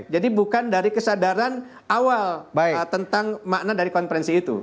jadi bukan dari kesadaran awal tentang makna dari konferensi itu